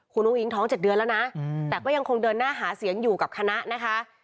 คุณอุ้งอิ๊งท้อง๗เดือนแล้วนะแต่ก็ยังคงเดินหน้าหาเสียงอยู่กับคณะนะคะ